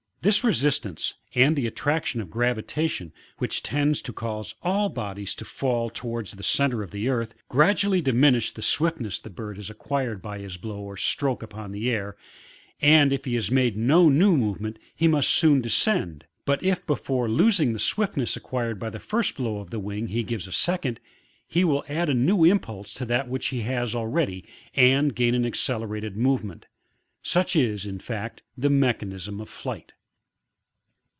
This resistance, and the attraction of gravitation, (which tends to cause all bodies to fall towards the centre of the earth,) gradually diminish tlie swiftness the bird has acquired by this blow or stroke upon the air, and if he made no new movement, he must soon descend, but if, before losing the swiftness acquired by the first blow of the wing, he gives a second, he will add a new impulse to that which he had already, and gaui an accelerated movement. Such is, in fact, the mechanism of flight.